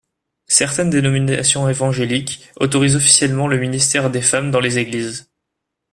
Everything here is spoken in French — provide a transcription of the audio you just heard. Certaines dénominations évangéliques autorisent officiellement le ministère des femmes dans les églises.